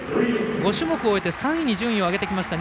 ５種目終えて３位に順位を上げてきました